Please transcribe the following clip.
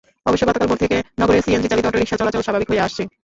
অবশ্য গতকাল ভোর থেকে নগরে সিএনজিচালিত অটোরিকশা চলাচল স্বাভাবিক হয়ে আসে।